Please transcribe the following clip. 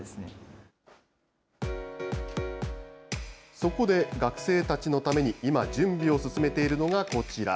そこで学生たちのために今、準備を進めているのがこちら。